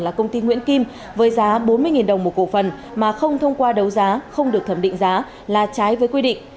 là công ty nguyễn kim với giá bốn mươi đồng một cổ phần mà không thông qua đấu giá không được thẩm định giá là trái với quy định